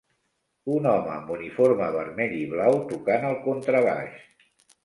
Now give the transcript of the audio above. Un home amb uniforme vermell i blau tocant el contrabaix